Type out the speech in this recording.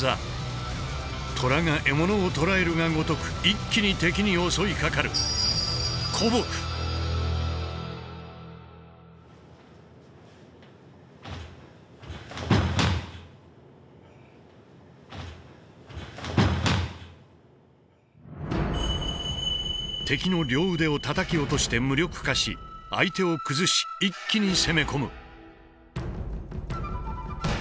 虎が獲物を捕らえるがごとく一気に敵に襲いかかる敵の両腕をたたき落として無力化し相手を崩し一気に攻め込む。